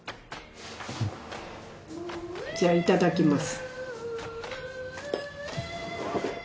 じゃあいただきます。